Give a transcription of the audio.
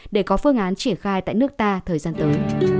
để có phương án triển khai tại nước ta thời gian tới